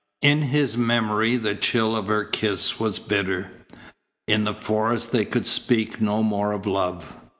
In his memory the chill of her kiss was bitter. In the forest they could speak no more of love.